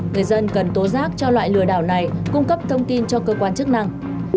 người dân cần tố giác cho loại lừa đảo này cung cấp thông tin cho cơ quan chức năng